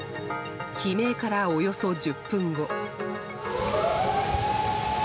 悲鳴から、およそ１０分後。